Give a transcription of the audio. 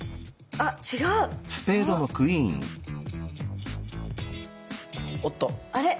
あれ？